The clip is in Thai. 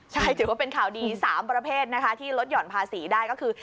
ใช่ถือว่าเป็นข่าวดี๓ประเภทนะคะที่ลดห่อนภาษีได้ก็คือ